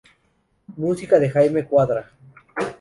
Música de Jaime Cuadra